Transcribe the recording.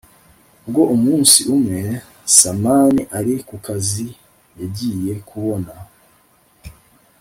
ubwo umunsi umwe samani ari kukazi yagiye kubona